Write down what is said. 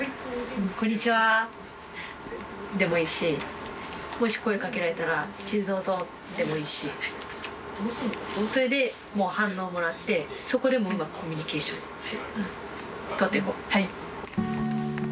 「こんにちは」でもいいしもし声掛けられたら「地図どうぞ」でもいいしそれで反応もらってそこでもうまくコミュニケーション取っていこう。